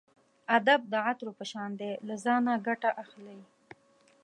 ادب د عطرو په شان دی له ځانه ګټه اخلئ.